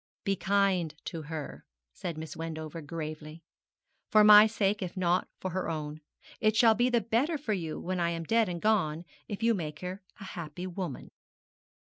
'Be kind to her,' said Miss Wendover, gravely, 'for my sake, if not for her own. It shall be the better for you when I am dead and gone if you make her a happy woman.'